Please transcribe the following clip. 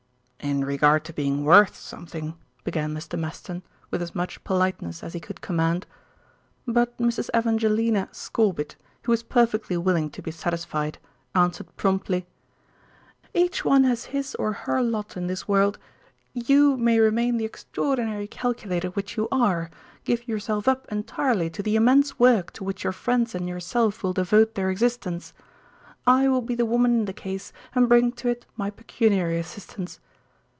"In regard to being worth something" began Mr. Maston, with as much politeness as he could command. But Mrs. Evangelina Scorbitt, who was perfectly willing to be satisfied, answered promptly: "Each one has his or her lot in this world. You may remain the extraordinary calculator which you are, give yourself up entirely to the immense work to which your friends and yourself will devote their existence. I will be the woman in the case and bring to it my pecuniary assistance."